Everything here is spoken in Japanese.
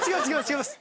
違います